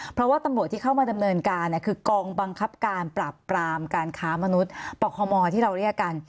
เพราะว่าตำรวจที่เข้ามาดำเนินการคือกองบังคับการปราบปรามการค้ามนุษย์ปคมที่เราเรียกกัน